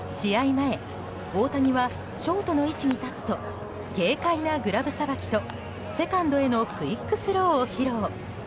前大谷はショートの位置に立つと軽快なグラブさばきとセカンドへのクイックスローを披露。